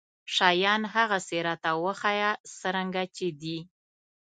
شيان هغسې راته وښايه څرنګه چې دي.